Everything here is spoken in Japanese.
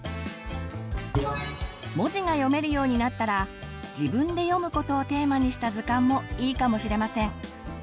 文字が読めるようになったら「自分で読むこと」をテーマにした図鑑もいいかもしれません。